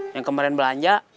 yang kemarin belanja